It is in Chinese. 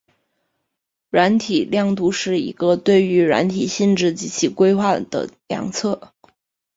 软体度量是一个对于软体性质及其规格的量测。